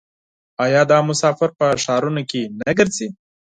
آیا دا مسافر په ښارونو کې نه ګرځي؟